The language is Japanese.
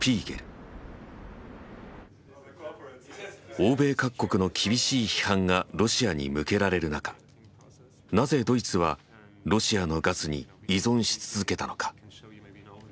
欧米各国の厳しい批判がロシアに向けられる中なぜドイツはロシアのガスに依存し続けたのか？